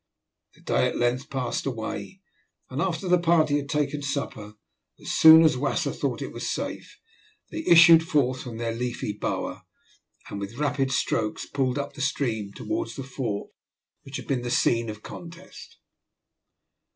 The day at length passed away, and after the party had taken a supper, as soon as Wasser thought it was safe, they issued forth from their leafy bower, and with rapid strokes pulled up the stream towards the fort which had been the scene of contest.